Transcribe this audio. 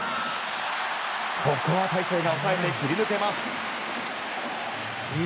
ここは大勢が抑えて切り抜けます。